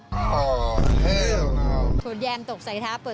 หนูแยมเปิดตู้เย็นตกใสไท้